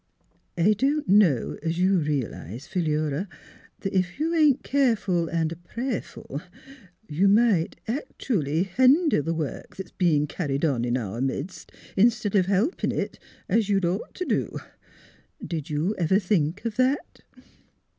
" I don't know as you re'lise, Philura, that if you ain't careful an' prayerful you might actooaly hender the work that's bein' carried on in our midst, 'stead of helpin' it — as you'd ought to do. Did you ever think of that?